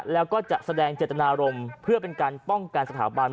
แล้วก็จะแสดงเจตนารมณ์เพื่อเป็นการป้องกันสถาบัน